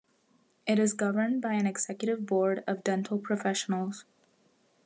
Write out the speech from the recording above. It is governed by an Executive Board of dental professionals.